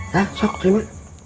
hah sok terima